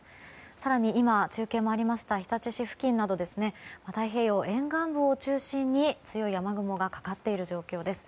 更に今、中継もありました日立市付近でも太平洋沿岸部を中心に強い雨雲がかかっている状況です。